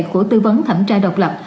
của tư vấn thẩm tra độc lập